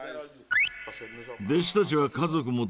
弟子たちは家族も同然さ。